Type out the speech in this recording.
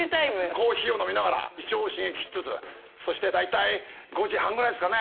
コーヒーを飲みながら胃腸を刺激しつつそして大体５時半ぐらいですかね。